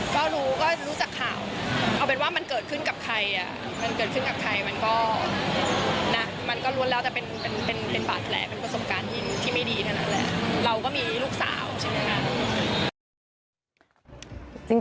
ก็รู้จักข่าวเอาเป็นว่ามันเกิดขึ้นกับใครอ่ะมันเกิดขึ้นกับใครมันก็นะมันก็รวมแล้วแต่เป็นเป็นเป็นเป็นบัตรแหละเป็นประสงค์การอินที่ไม่ดีเท่านั้นแหละเราก็มีลูกสาวใช่ไหมอืม